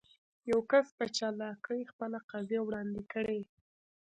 يو کس په چالاکي خپله قضيه وړاندې کړي.